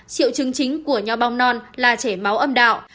triệu chứng chính của nho bong non là chảy máu âm đạo